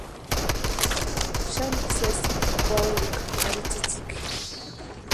Xani sesi kwaurhukʼa ari tsïtsïki.